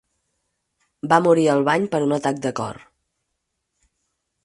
Va morir al bany per un atac de cor.